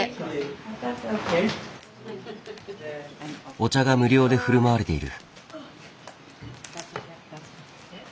お茶が無料でふるまわれている。